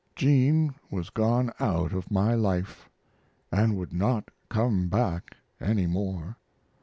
Jean was gone out of my life, and would not come back any more.